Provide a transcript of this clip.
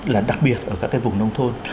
là đặc biệt ở các cái vùng nông thôn